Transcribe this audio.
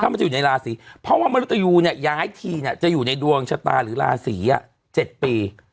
เขาจะอยู่ในลาศรีเพราะว่ามรุตยูเนี่ยย้ายทีเนี่ยจะอยู่ในดวงชะตาหรือลาศรีอ่ะ๗ปี